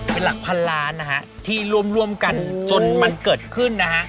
เป็นหลักพันล้านที่รวมกันจนมันเกิดขึ้น